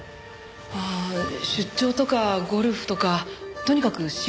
ああ出張とかゴルフとかとにかく仕事人間ですので。